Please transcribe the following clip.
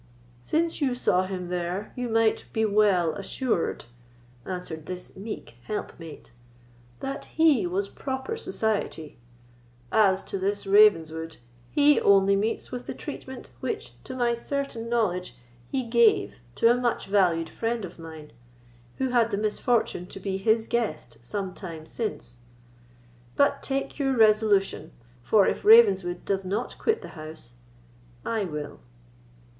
"Since you saw him there, you might be well assured," answered this meek helpmate, "that he was proper society. As to this Ravenswood, he only meets with the treatment which, to my certain knowledge, he gave to a much valued friend of mine, who had the misfortune to be his guest some time since. But take your resolution; for, if Ravenswood does not quit the house, I will."